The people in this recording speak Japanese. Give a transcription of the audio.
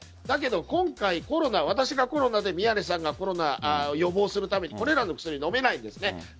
だけど今回私がコロナで、宮根さんが予防するためにこれらの薬は飲めないんです。